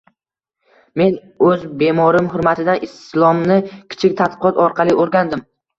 Men o`z bemorim hurmatidan Islomni kichik tadqiqot orqali o`rgandim